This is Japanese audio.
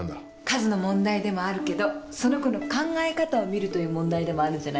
数の問題でもあるけどその子の考え方を見るという問題でもあるんじゃないかしら。